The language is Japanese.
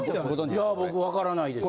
いや僕わからないです。